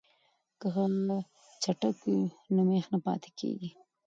که څټک وي نو میخ نه پاتې کیږي.